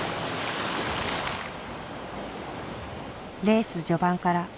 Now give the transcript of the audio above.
レース序盤から攻めた。